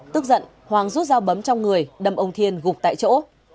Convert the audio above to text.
tức giận hoàng rút dao bấm trong người đâm ông thiên gục tại chỗ